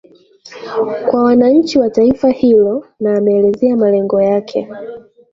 kwa wananchi wa taifa hilo na ameelezea malengo yake